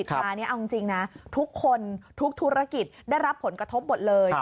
ทุกธุรกิจได้รับผลกระทบหมดเลย